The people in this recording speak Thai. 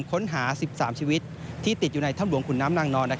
ค้นหา๑๓ชีวิตที่ติดอยู่ในถ้ำหลวงขุนน้ำนางนอน